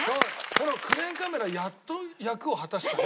このクレーンカメラやっと役を果たしたね